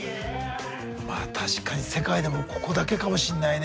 まあ確かに世界でもここだけかもしんないね